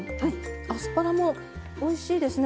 アスパラもおいしいですね